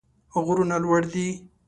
غرونه لوړ دي.